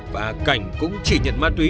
và cảnh cũng chỉ nhận ma túy